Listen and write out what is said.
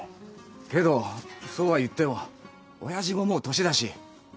けどそうは言っても親父ももう年だし。